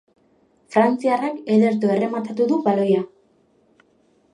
Frantziarrak ederto errematatu du baloia.